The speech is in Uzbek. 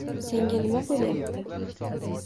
Senga nima bo`layapti